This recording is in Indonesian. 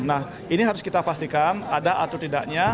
nah ini harus kita pastikan ada atur titiknya